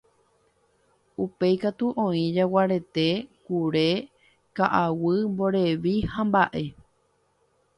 Upéi katu oĩ jaguarete, kure ka'aguy, mborevi hamba'e.